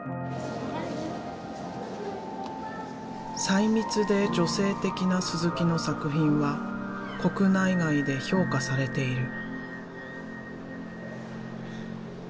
細密で女性的なの作品は国内外で評価されている。